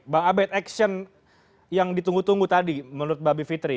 bang abed action yang ditunggu tunggu tadi menurut mbak bivitri